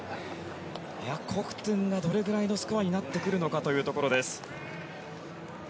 コフトゥンがどれぐらいのスコアになってくるのかというところです。